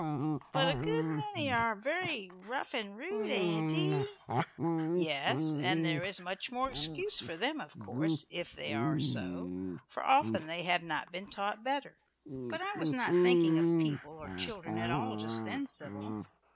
But a good many are very rough and rude, Auntie?" "Yes, and there is much more excuse for them, of course, if they are so, for often they have not been taught better. But I was not thinking of people or children at all just then, Sybil.